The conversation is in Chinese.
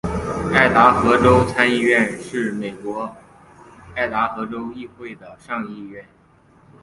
爱达荷州参议院是美国爱达荷州议会的上议院。